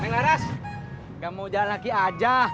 neng laras nggak mau jalan lagi aja